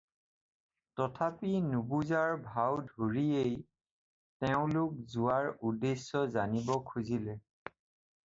তথাপি নুবুজাৰ ভাও ধৰিয়েই তেওঁলোক যোৱাৰ উদ্দেশ্য জানিব খুজিলে।